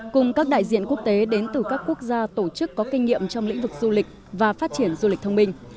cùng các đại diện quốc tế đến từ các quốc gia tổ chức có kinh nghiệm trong lĩnh vực du lịch và phát triển du lịch thông minh